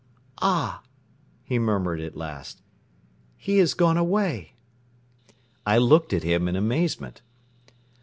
"Ah!" he murmured at last, "He has gone away. ..." I looked at him in amazement.